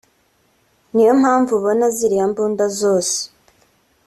Niyo mpamvu ubona ziriya mbunda zose